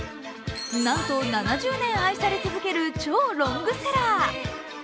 なんと７０年愛され続ける超ロングセラー。